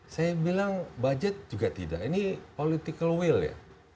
saya bilang budget juga tidak ini political will ya